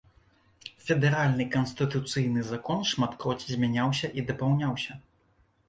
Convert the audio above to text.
Федэральны канстытуцыйны закон шматкроць змяняўся і дапаўняўся.